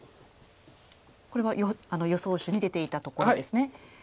これは予想手に出ていたところですね。